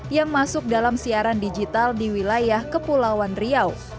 yang masuk dalam siaran digital di wilayah kepulauan riau